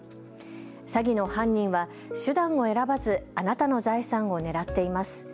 詐欺の犯人は手段を選ばずあなたの財産を狙っています。